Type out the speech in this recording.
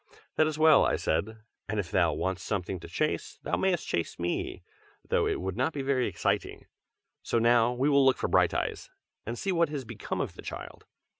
"That is well!" I said. "And if thou wantest something to chase, thou mayest chase me, though that would not be very exciting. So now, we will look for Brighteyes, and see what has become of the child."